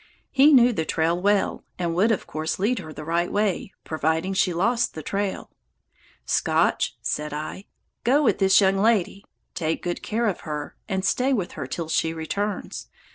He knew the trail well and would, of course, lead her the right way, providing she lost the trail. "Scotch," said I, "go with this young lady, take good care of her, and stay with her till she returns.